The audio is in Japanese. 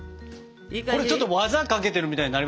これちょっと技かけてるみたいになりましたよ。